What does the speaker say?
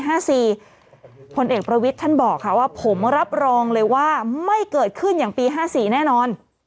ผลเอกประวิทย์ท่านบอกค่ะว่าผมรับรองเลยว่าไม่เกิดขึ้นอย่างปี๕๔แน่นอน